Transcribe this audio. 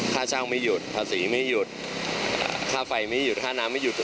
ค่าเช่าไม่หยุดภาษีไม่หยุดค่าไฟไม่หยุดค่าน้ำไม่หยุด